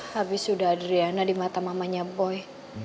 habis sudah ada riana di mata mamanya boy